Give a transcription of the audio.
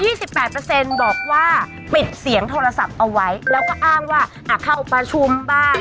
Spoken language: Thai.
สิบแปดเปอร์เซ็นต์บอกว่าปิดเสียงโทรศัพท์เอาไว้แล้วก็อ้างว่าอ่ะเข้าประชุมบ้าง